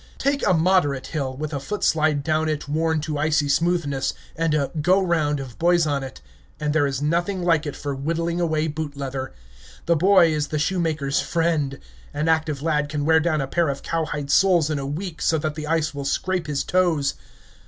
Take a moderate hill, with a foot slide down it worn to icy smoothness, and a "go round" of boys on it, and there is nothing like it for whittling away boot leather. The boy is the shoemaker's friend. An active lad can wear down a pair of cowhide soles in a week so that the ice will scrape his toes.